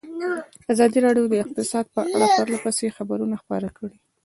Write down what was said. ازادي راډیو د اقتصاد په اړه پرله پسې خبرونه خپاره کړي.